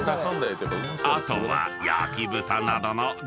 ［あとは焼豚などの具材］